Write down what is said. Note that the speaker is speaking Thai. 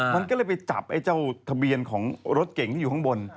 มันก็เลยไปจับไอ้เจ้าทะเบียนของรถเก่งที่อยู่ข้างบน